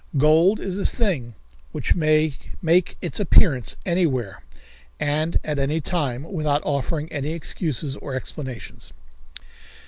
Gold is a thing which may make its appearance anywhere and at any time without offering any excuses or explanations.